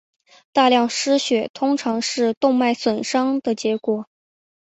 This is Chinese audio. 大量失血通常是动脉损伤的结果。